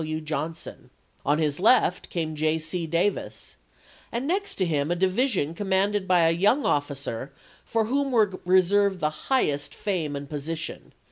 W. Johnson; on his left came J. C. Davis, and next to him a division commanded by a young oflicer for whom were reserved the highest fame and position.